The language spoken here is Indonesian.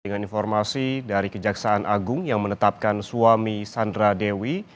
dengan informasi dari kejaksaan agung yang menetapkan suami sandra dewi